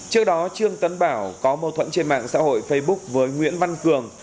trước đó trương tấn bảo có mâu thuẫn trên mạng xã hội facebook với nguyễn văn cường